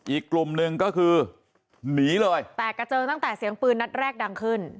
อีกกลุ่มหนึ่งก็คือหนีเลยแตกกระเจิงตั้งแต่เสียงปืนนัดแรกดังขึ้น